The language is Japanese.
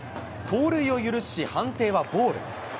盗塁を許し、判定はボール。